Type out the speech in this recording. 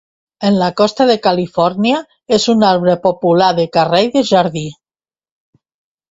En la costa de Califòrnia, és un arbre popular de carrer i de jardí.